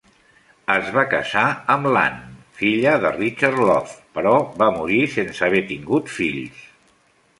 Es va casar amb l'Anne, filla de Richard Love; però va morir sense haver tingut fills.